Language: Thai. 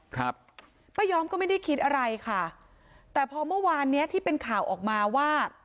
ครับป้ายอมก็ไม่ได้คิดอะไรค่ะแต่พอเมื่อวานเนี้ยที่เป็นข่าวออกมาว่า